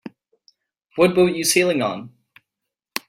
What boat you sailing on?